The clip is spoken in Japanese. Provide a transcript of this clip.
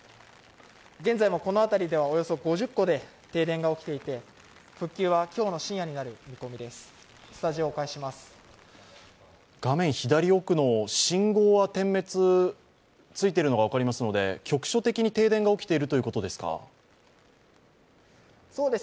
現在もこの辺りではおよそ５０戸で停電が起きていて復旧は今日の深夜になる予定です。